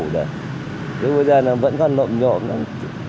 bây giờ vẫn còn lộn nhộn